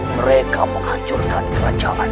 mereka menghancurkan kerajaan